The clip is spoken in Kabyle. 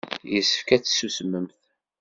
Yessefk ad tsusmemt.